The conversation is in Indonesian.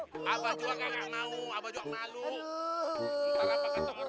ntar apa kacau orang buka abah kemana lagi